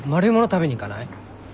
食べに行かない？